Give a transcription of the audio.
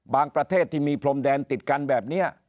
ประเทศที่มีพรมแดนติดกันแบบนี้